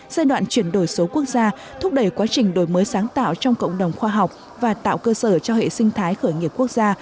giai đoạn chuyển đổi số quốc gia thúc đẩy quá trình đổi mới sáng tạo trong cộng đồng khoa học và tạo cơ sở cho hệ sinh thái khởi nghiệp quốc gia